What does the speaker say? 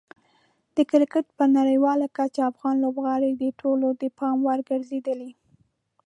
د کرکټ په نړیواله کچه افغان لوبغاړي د ټولو د پام وړ ګرځېدلي.